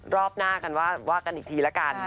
รอบหน้ากันว่ากันอีกทีละกัน